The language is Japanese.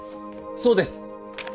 そうです